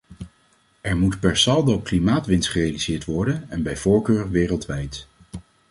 Er moet per saldo klimaatwinst gerealiseerd worden en bij voorkeur wereldwijd.